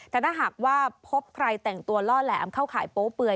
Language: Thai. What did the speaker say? แต่ถ้าหากว่าพบใครแต่งตัวล่อแหลมเข้าข่ายโป๊เปื่อย